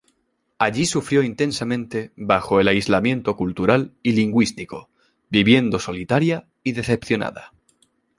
Allí sufrió intensamente bajo el aislamiento cultural y lingüístico, viviendo solitaria y decepcionada.